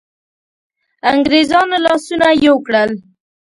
انګرېزانو لاسونه یو کړل.